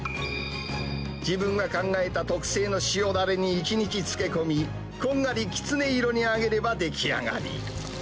自分が考えた特製の塩だれに１日漬け込み、こんがりきつね色に揚げれば出来上がり。